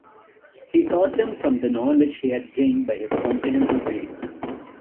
He taught them from the knowledge he had gained by his comprehensive reading.